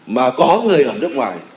mà có người ở nước ngoài